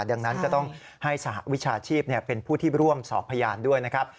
ดังนั้นก็ต้องให้สหวิชาชีพเป็นผู้ที่ร่วมสอบพยานด้วยนะครับ